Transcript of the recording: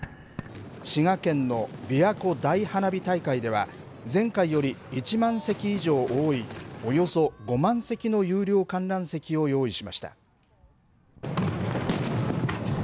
滋賀県のびわ湖大花火大会では、前回より１万席以上多いおよそ５万席の有料観覧席を用意しました。